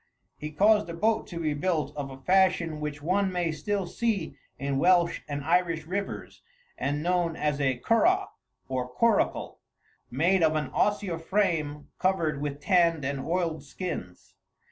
He caused a boat to be built of a fashion which one may still see in Welsh and Irish rivers, and known as a curragh or coracle; made of an osier frame covered with tanned and oiled skins.